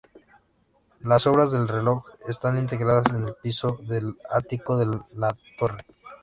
Las obras del reloj están integradas en el piso del ático de la torre.